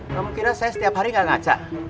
kamu kira saya setiap hari gak ngacak